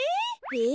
え？